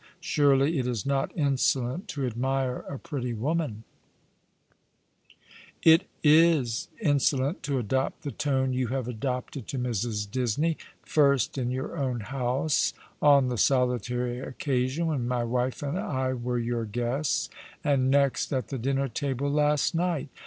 Surely it is not insolent to admire a pretty woman ?"" It is insolent to adopt the tone you have adopted to IMrs. Disney — first in your own house— on the solitary occasion when my wife and I were your guests — and next at the dinner table last night.